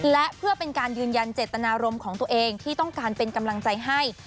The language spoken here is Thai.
และเพื่อเป็นการยืนยันเจตนารมณ์ของตัวเองที่ต้องการเป็นกำลังใจให้